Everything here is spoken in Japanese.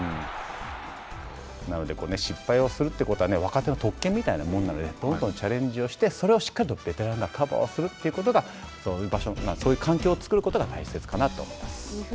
なので失敗をするということは若手の特権みたいなものなので多くのチャレンジをしてそれをしっかりベテランがカバーをするということがそういう環境を作ることが大切かなと思います。